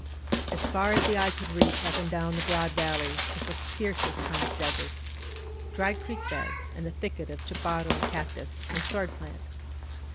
As far as the eye could reach up and down the broad valley was the fiercest kind of desert, — dried creek beds, and a thicket of chaparral, cac tus and sword plant.